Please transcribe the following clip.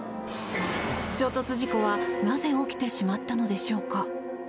衝突事故はなぜ起きてしまったのでしょうか。